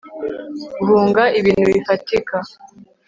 Guhunga ibintu bifatika